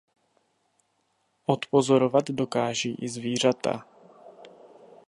Odpozorovat dokáží i zvířata.